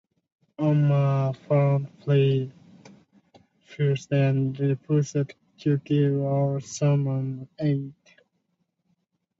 Uma found Ploy first and refused to give or summon aid.